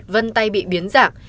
vân tay bị biến giảng